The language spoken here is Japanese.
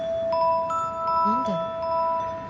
何で？